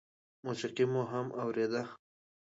موسيقي مو هم اورېده.